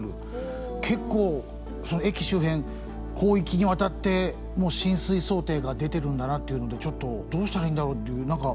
結構駅周辺広域にわたって浸水想定が出てるんだなっていうのでちょっとどうしたらいいんだろうっていう何か。